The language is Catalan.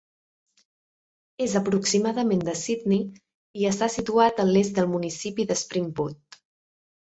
És aproximadament de Sydney i està situat a l'est del municipi de Springwood.